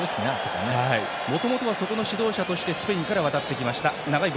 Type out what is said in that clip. もともとはそこの指導者としてスペインから渡ってきました。